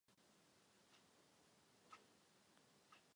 I ten však byl ke svým poddaným krutý a vedl s městem řadu sporů.